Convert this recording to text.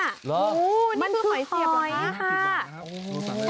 เหรอมันคือหอยเสียบหรอคะ